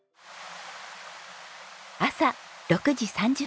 朝６時３０分。